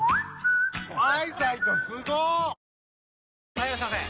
・はいいらっしゃいませ！